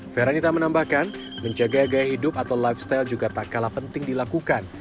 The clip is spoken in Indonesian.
feranita menambahkan menjaga gaya hidup atau lifestyle juga tak kalah penting dilakukan